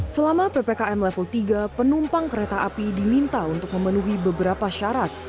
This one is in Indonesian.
selama ppkm level tiga penumpang kereta api diminta untuk memenuhi beberapa syarat